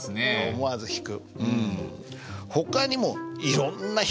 思わず引く。